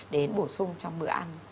đến bổ sung trong bữa ăn